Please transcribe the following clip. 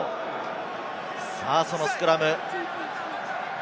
さぁ、そのスクラム。